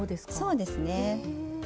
そうですね。